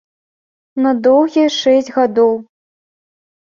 На доўгія шэсць гадоў.